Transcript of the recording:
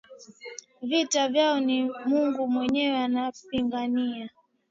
Vita vyao ni Mungu mwenyewe anawapigania.